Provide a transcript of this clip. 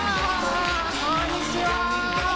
こんにちは！